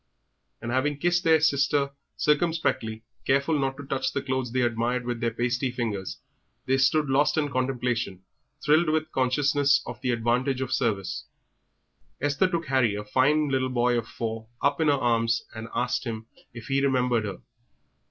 And having kissed their sister circumspectly, careful not to touch the clothes they admired with their pasty fingers, they stood lost in contemplation, thrilled with consciousness of the advantage of service. Esther took Harry, a fine little boy of four, up in her arms, and asked him if he remembered her.